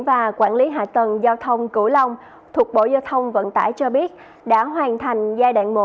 và quản lý hạ tầng giao thông cửu long thuộc bộ giao thông vận tải cho biết đã hoàn thành giai đoạn một